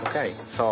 そう。